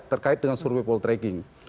terkait dengan survei call tracking